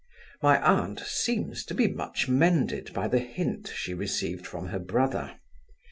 My aunt seems to be much mended by the hint she received from her brother.